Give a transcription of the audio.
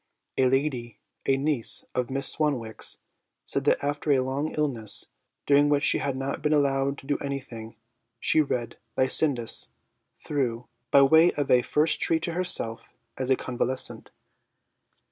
A lady, a niece of Miss Swanwick's, said that after a long illness, during which she had not been allowed to do anything, she read 'Lycidas' through, by way of a first treat to herself as a convalescent.